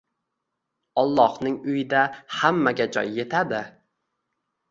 «Ollohning uyida hammaga joy yetadi»